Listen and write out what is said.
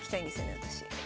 私。